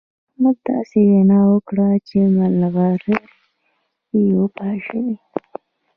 احمد داسې وينا وکړه چې مرغلرې يې وپاشلې.